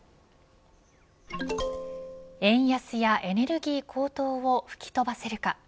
円安やエネルギー高騰を吹き飛ばせるか。